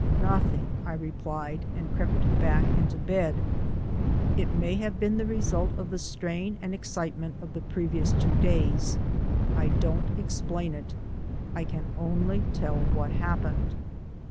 "Nothing," I replied, and crept back into bed. It may have been the result of the strain and excitement of the previous two days. I don't explain it I can only tell what happened.